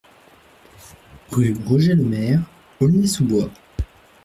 Rue Roger Lemaire, Aulnay-sous-Bois